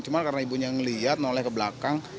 cuma karena ibunya melihat noleh ke belakang